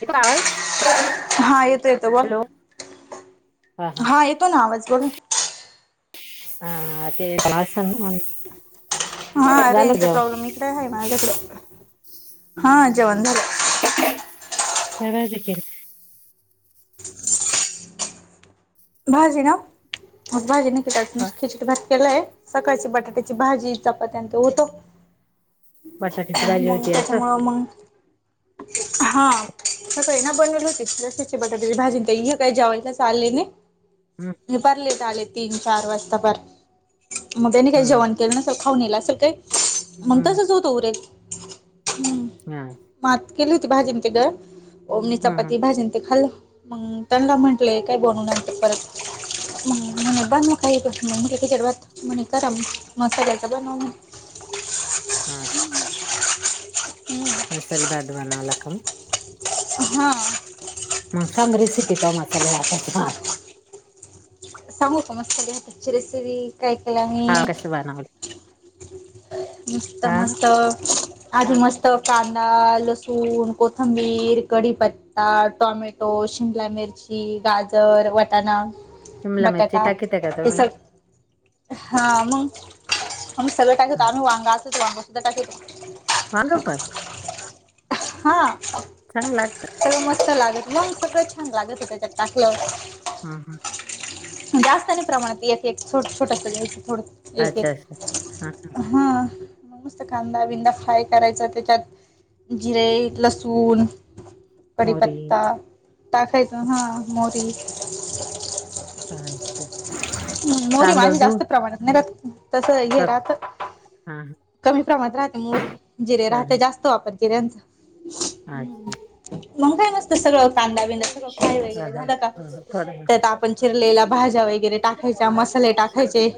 येतोय आवाज हा येतो येतो बोल हॅलो! हा येतो ना आवाज बोला. आ ते आसन म्हण हा रेंजचा प्रॉब्लेम इकडे आहे माझ्याकड, हा जेवण झालं. त्या राहु देतील. [inaudible] भाजी ना भाजी निकीता नुसती खिचडी भात केलाय. सकाळची बटाट्याची भाजी चपात्यांन ते होत. बटाट्याची भाजी मंग होती असं त्याच्यामुळं मंग हा. सकाळी ना बनवेल होती रस्याची बटाट्या ची भाजी न ते हे काही जेवायलाच आले नही. [unintelligible] हे पार लेट आले तीन चार वाजता पार, म त्यानी काय हम्म जेवण केल नसलं खाऊन येल असल काही, मग हम्म तसच होतो उरेल हूं. [inaudible] म आत केली होती भाजीन ते ग ओम णी हम्म चपाती भाजी न ते खाल्लं. मंग त्यांना म्हटलंय काय बनवूू नंतर परत. मंग म्हणे बनव काही पण, मंग म्हटल खिचडी भात, म्हणे करम मसाल्याच बनव म्हन. [unintelligible] हम्म. मसाले भात बनावला का मग? हा! मंग सांग रेसिपी त्वा मसाले भाताची माला. सांगु का मसाले भाताची रेसिपी काय केलं नी हा कसं बनवली? मस्त हा मस्त आधी मस्त कांदा लसूण कोथंबीर कढीपत त्ता, टॉमॅटो, शिमला मिरची, गाजर, वटाणा शिमला मिरची बटाटा टाकीता का तुम्ही? हेसग हा मंग आम्ही सगळं टाकीतो, आम्ही वांग असत त वांग सुद्धा टाकीतो वांग पन हा! चांग लागत? सगळं मस्त लागत मग सगळं छान लागत त्याच्यात टाकल्या व हूं हूं! जास्त नही प्रमाणात एक, एक, छोट छोटस घ्यायचं थोड एक, अच्छा अच्छा हा एक हा म मस्त कांदा बिंदा फ्राय करायचा त्याच्यात जिरे लसून मोहरी कडीपत्ता टाकायच हा मोहरी अच्छा मोहरी तांदूळ माझी धुवून जास्त प्रमाणात नही राहत. तस हे का? राहत, हा कमी प्रमाात राहते मोरी जिरे राहते जास्त [unintelligible] आच्छा! मंग काय नसत सगळं कांदा बिंदा सगळं फ्राय हा वगैरे हा झालं का हा त्यात थोडं आप ण चिरलेला भाज्या वगैरे टाकायच्या मसाले टाकायचे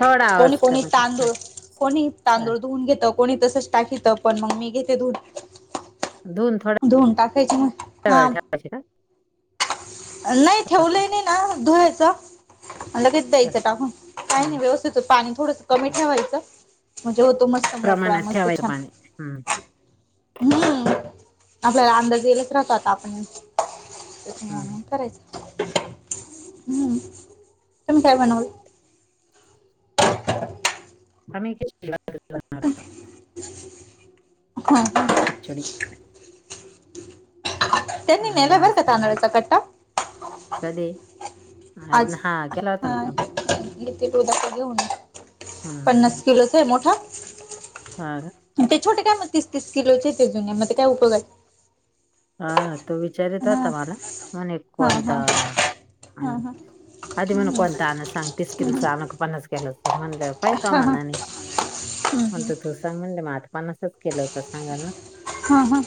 थोडा कोणी आवाज कोणी कमी कर तांदूळ कोणी हा तांदूळ धुवून घेत कोणी तसच टाकित पण मंग मी घेते धूून धुवून थोडा धुन टाकायची म हा वेळ ठेवायची का नही ठेवलंय नाही ना धुवायचं. म लगेच हा द्यायचं टाकून काय हा नाय व्यवस्थित होत पाणी थोडंस कमी अच्छा. ठेवायचं. म्हणजे होतो मस्त मोकळा प्रमाणात मस्त ठेवायचं छान पाणी हम्म हम्म आपल्याला अंदाज येईलाच राहतो आता आपण त्याच्यामुळं हम्म मंग करायचं. हम्म तुम्ही काय बनवल? आम्ही खिचडी भात हा [unintelligible] खिचडी त्यांनी नेलाय म्हणाला बरं आज का काय तांदलाचा कट्टा कधी ना आज केला होता ना हा फोन येते गो दाक घेऊन हम्म पन्नास किलोच आहे मोठा हा म ते छोटे काय म तीस तीस किलोचे होते जुने मते काय उपयोगाचे हा तो विचारीत होतं हा मला म्हणे हा हा कोणता हा अन हा आदी म्हणे कोणता आणू सांग ते स्किन चा आणू का फोनच केला असतात म्हणलं पाय तुया मनानी म्हणत तू सांग म्हणले मंग आता पन्नासच किलोचा सांगन ना हा हा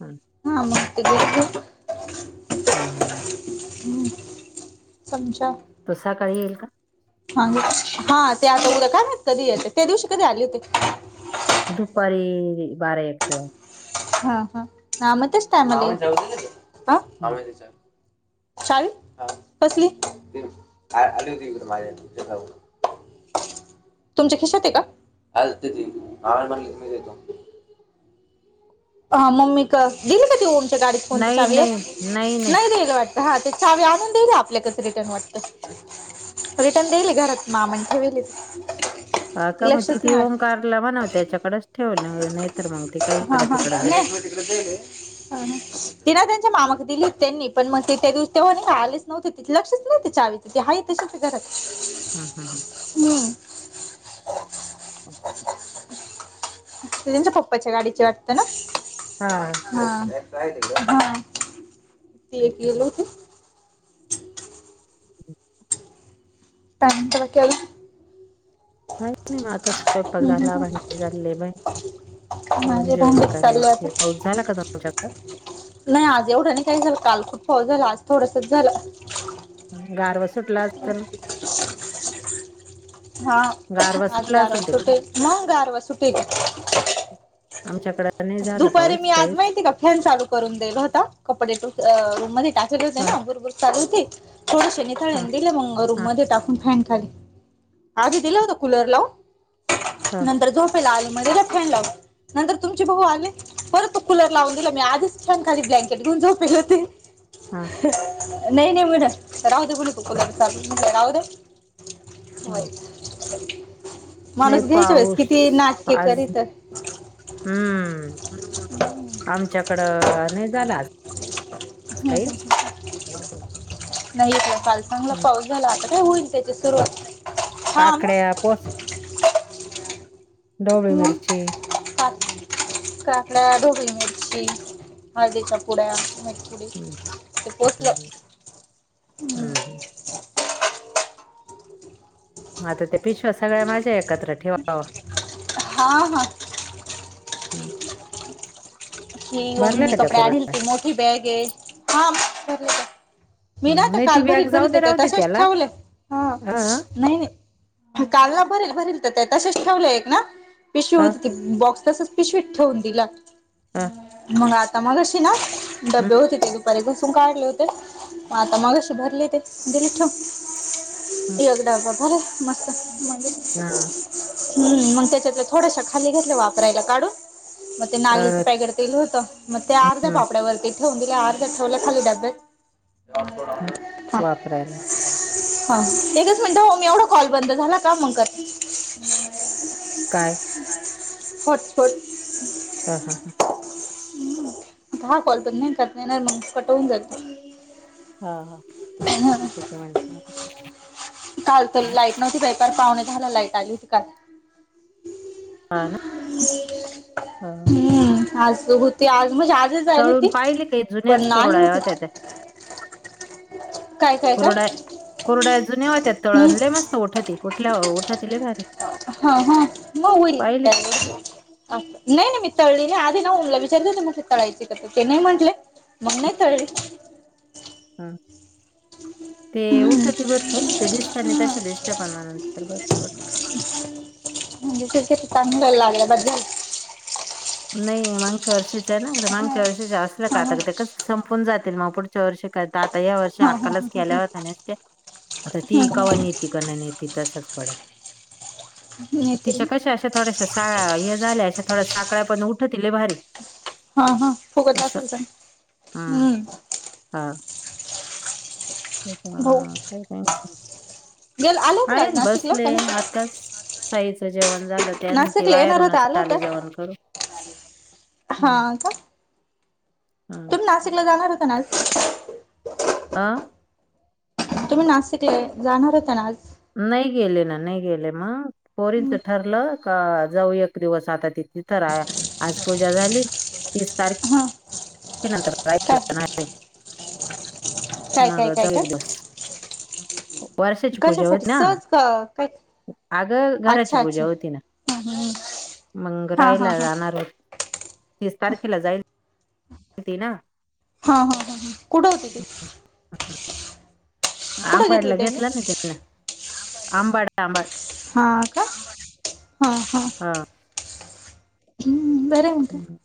हं, हा मग ते [unintelligible] हं, हं. हं चमचा तो सकाळी येईल का? हां हा ते आता उद्या काय माहित कधी येत्या त्या दिवशी कधी आले होते. दुपारी बारा एकच्या हा हा म त्यांच टाईमला येईल आ चावी कसली? तुमच्या खिशात आहे का? हा मम्मी क दिली का ते ओमच्या गाडीत कोणती नाही चावी ये नाही नाही नाही नाय देईल वाटत हा ते चावी आणून देईली आपल्याकच रिटर्न वाटतं. रिटर्न देईले घरात मामा नी ठेवलेत. हा का मग ती ती ओमकारला म्हणाव ते त्याच्याकडेच ठेवलं नाय तर मग ते काय इकडं तिकडं जाय. तुम्हाला तिकडं जाईले. हं ह ति ना त्यांच्या मामाकं दिली होती त्यांनी पण मग त्या दिवस तेव्हा का आलेच. नव्हते तिथ लक्षच नव चावीचे ते हाये तसेच ये घरात. हा हा हा म असं. ते त्यांच्या पप्पाच्या गाडीची वाटतं ना हा हा हा ते एक गेल होते. काय म्हणता बाकी अजून काही नाय म आता स्वयंपाक हम्म, झाला हम्म, भांडे झाले बाहेर हम्म. अजून माझे जेवण भांडे करायचे पाऊस झाला का तुमच्याकड नाय आज एवढं नाय काय झालं काल खूप पाऊस झाला आज थोडसच झाला. गारवं [unintelligible] हा गारवा आज सुटला गारवा असेल तिकडे सुटे मंग गारवा सुटे ग आमच्याकड दुपारी मी आज माहितीये का फॅन चालू करून दयायला होता कपडे अ रूम मध्ये टाकले होते हा ना बुरबुर चालू होते. थोडेसे नितळेने हा दिले मगं रूम हा मध्ये टाकून फॅन खाली. आधी दिला होता कुलर लावून हा नंतर झोपेला आलो मंग दिला फॅन लावून नंतर तुम्ही चे भाऊ आले परत तो कुलर लावून दिला मी आधीच फॅन खाली ब्लँकेट घेऊन झोपेली होते. हा नाय नाय म्हण राहूदे म्हणलं तो कुलर चालू म्हणलं राहूदे. होय हा नाही माणूस घ्यायच वेळेस पाऊस किती नाटके आज करीत. हम्म आमच्याकडं नाही झालं. काय. नाहीेत काल चांगला पाऊस झाला आता काय होईल त्याची सुरुवात. हा मग काकड्या पोस. डोबळी मिरची. सात. का आपल्या धोबी मिरची हळदीच्या पुुड्या. हम्म पोहोचलो. हम्म हम्म हम्म आता ते पिशवा सगळ्या माझ्या एकत्र ठेवा. हा हा. हम्म हि भरल्या ओमनी का त्या कपडे कोरड आणल त मोठी बॅग आहे हा. मी नाही हम्म, आता ती काल भरीत बॅग जाऊ भरीत दे येत राहू दे तशच त्याला ठेवले हा हा नाही नाही. काल ना भरेल भरेल तर ते तसेच ठेवलं एक ना पिशवी हा होती ती. बॉक्स तसंच पिशवीत ठेवून दिला. हा मग आता मगशी ना हम्म, डबे होते ते तु. बेक सुंका आढले होते मग आता मगाशी भरले ते दिेली ठेऊन. हम्म, एकदा भरा मस्त. हा, हम्म मग त्याच्यात थोडश खाली घेतल्या वापरायला काढून मग ते नाली. अ, ड होत मग ते अर्ध्या हम्म, पापड्यावरती ठेवून दि अर्ध्या ठेवल्या खाली डब्यात. हा. वापरायला हा एकच मिनट हो मी एवढा कॉल बंद झाला का मग कर. काय. फट फट. हा हा हां. आता हा कॉल पण नाही नाहीणार मग पटवून जात. हा हा तेथ म्हण काल तर लाईट नव्हती काय कार पावणे दहाला लाईट आलीच का ह ह हा हम्म आज होते आज म्हणजे आजच तळून होती पाहिली काही पण जुन्याच कोरड्या नाहीती होत्या त्या काय कय का कोरड्या कोरड्या अजूनवत तळणले मस्त उठतठठत हा हा म पाहिले अ नाही नाही मी तळली नाही आधी ना उमला विचारत मगी तळायचे का ते नाही म्हटले मग नाही तरी हम ते हम्म उठते भरपूर ते दिसत आणि हा तशा दिसत पणवा नंतर भरपूर उठत म्हणजे तती चांग लागला बा नाही मागच्या वर्षीच्या ना मागच्या वर्षीच्या असल्या का हा आता हा ते संपून जातील मग पुढ. मागच्या वर्षी करता आता या वर्षी हा हा अक्कालच केल्या होता नसते. आता ती कावा हा न येते का नाही नेत तशाच पडत. नाहीतर तिच्या कशा अशा थोड्याशा सा झाल्या अशा थोड्या साकळ्या पण उठतील भारी. हा हा फुकत असं असेल सण हम्म. हा भाऊ त्याच्या काही ट्शन नाही गेल आला होता का आज काय नाशिकला का बसले नाही आताच साईचं जेवण झालं त्यान नाशिकला येणार होता बाहेरूनच आला होता आले जेवण करून हा का हा तुम्ही नाशिकला जाणार होता ना आज आं तुम्ही नाशिक जाणार होता ना आज. नाही गेले ना नाही गेले मग. पोरीनच हम्म. ठरलं का जाऊ एक दिवस आता तिथे तर आज पूजा झाली. तीस तारीखे. हा क नंतर काय नाही रे काय काय मग काय जाऊ काय एक दिस. वर्षाची पूजा कशासाठी होती ना सहज क- काय अग घराची पूजा होती ना. हम हम. मंग रायला जाणार हो तीस तारखेला जायल. ते ना. हा ह कुठे. [inaudible] आंबाडला घेतला ना त्यांना आंबाड आंबाड. हा का हा. हा. हम्म बर मते. हम्म.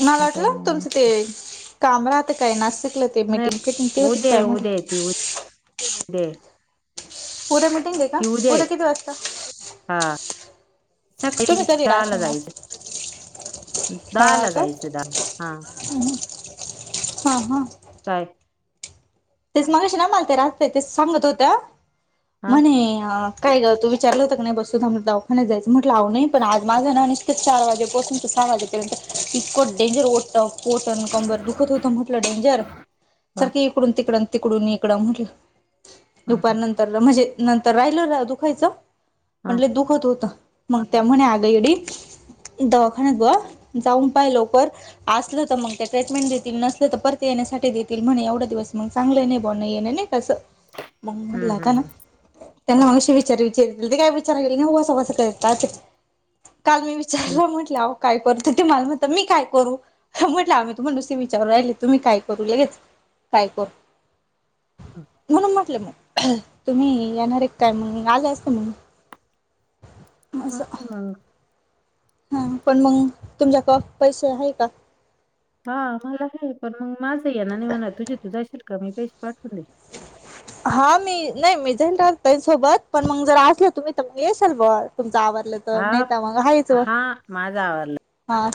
मला जाऊ वाटलं मग तुमचं म्हटलं ते काम राहतं काय नासिकलं ते मीटिंग फिटिंग ते होती काय म्ह. त होई. दे. उद्या मिटिंग आहे का ये उद्या किती वाजता. हा सकाळी तुम्ही कधी सहा ला राहशाल जाईच. नाशिक दहाला जायचं दहाला आ. आणि हा हा. काय? तेच मागाशी ना मालते राहते तेच सांगत होत्या हा म्हणे. काय ग तू विचारलं होत का नाही बसधा दाखाला जायचं म्हटलंव नाही पण आज माझा ना निश्च चार वाजे बोसून सहा वाजे. इको डेंजर ओत. पटन कंबर दुखत होत म्हटलं डेंजर हा सारखे इकडून. तड तिकडूनकड म्ह हा हा दुपारंत. तर म्हणजे नंतर राहिल रा दुखायचं हा म्हटले दुखत होत. मग त्या म्हणे आगयडी दवाखाान्यात गवा जाऊन पाहि लवकर. असलं तर मग ते ट्रीटमेंट देतील नसलं तर परती येण्यासाठी देतील म्हणे एवढा दिवस. मग चांगलं नाही बनण येणे नाही तसं मग हम्म म्हटलंता ना. हम्म त्यांना मनष विचार विचार काय विचार गे ना वसस काल मी. च हम्म म्हटलं. काय करत ते मला म्हणत मी काय करू म्हटलं आम्ही तुम्हाला दुससे विचारू राहिले तुम्ही काय करू लगेच. काय कर म्हणून म्हटलं मग. तुम्ही येणार एक काय म्हण आलं असत म्हग. ह. हा पण मग तुमच्या कॉ पैसे आहे का. हा मला आहे पण मग माझं या ना नाही म्हणा तुझी तू जा असशील का मी पेश पाठवून दे. [unintelligible] हा मी नाही मी जान राह सोबत पण मग जर असल तुम्ही तर मग येशल बा तुमच आवरल तर. तर हा नाहीत मग हायच हा हा.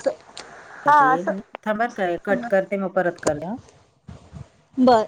हा आता येईल असं मी थांबर का कट करते मग परत कर. बरं.